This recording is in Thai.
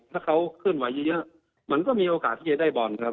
ถ้าเขาเคลื่อนไหวเยอะมันก็มีโอกาสที่จะได้บอลครับ